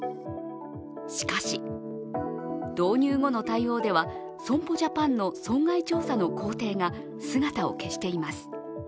しかし、導入後の対応では、損保ジャパンの損害調査の工程が姿を消しています。